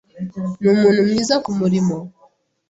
numuntu mwiza kumurimo.